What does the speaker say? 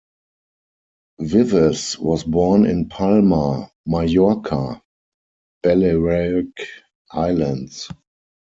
Vives was born in Palma, Majorca, Balearic Islands.